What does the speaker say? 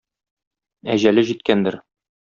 Әҗәле җиткәндер.